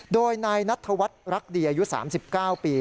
โดยนายนัทธวัฒน์รักดีอายุ๓๙ปี